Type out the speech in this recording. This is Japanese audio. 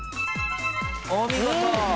お見事。